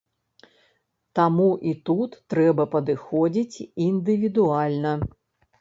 Таму і тут трэба падыходзіць індывідуальна.